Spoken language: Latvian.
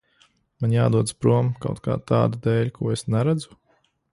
Man jādodas prom kaut kā tāda dēļ, ko es neredzu?